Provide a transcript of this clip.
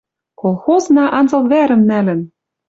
«Колхозна анзыл вӓрӹм нӓлӹн!..